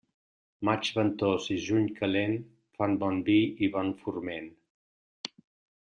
Maig ventós i juny calent, fan bon vi i bon forment.